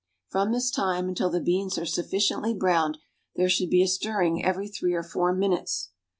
From this time until the beans are sufficiently browned, there should be a stirring every three or four minutes.